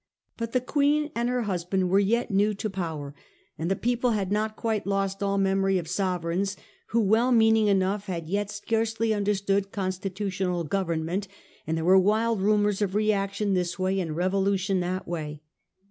But the Queen and her husband were yet new to power, and the people had not quite lost all memory of sovereigns who, well meaning enough, had yet scarcely understood consti tutional government, and there were wild rumours of reaction this way and revolution that way.